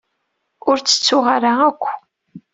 Ur tt-tettuɣ ara akk.